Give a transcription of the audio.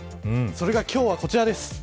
それが今日はこちらです。